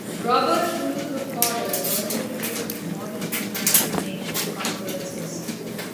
"Robert's Rules of Order" is also used in Model United Nations conferences.